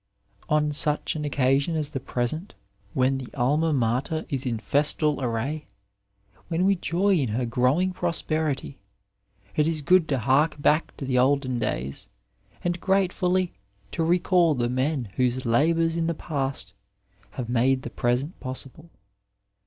On such an occasion as the present, when the Alma Mater is in festal array, when we joy in her growing prosperity, it is good to hark back to the olden days and gratefully to recall the men whose labours in the past have made the present possible.